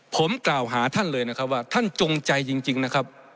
ผมกล่าวหาท่านเลยนะครับว่าท่านจงใจจริงนะครับ